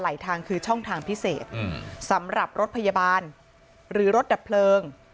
ทางคือช่องทางพิเศษสำหรับรถพยาบาลหรือรถดับเพลิง